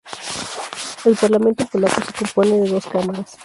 El parlamento polaco se compone de dos cámaras.